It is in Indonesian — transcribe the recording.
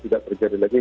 tidak terjadi lagi